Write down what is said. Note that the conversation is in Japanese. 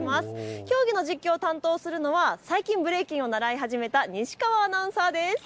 競技の実況を担当するのは最近、ブレイキンを習い始めた西川アナウンサーです。